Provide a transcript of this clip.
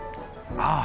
ああ！